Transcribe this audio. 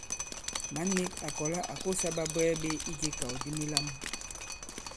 Mǎn nīk à kɔ̀la à kosā ɓabwɛɛ ɓē ijē ikàw di milām.